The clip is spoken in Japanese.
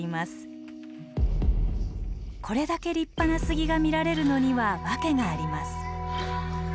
これだけ立派な杉が見られるのには訳があります。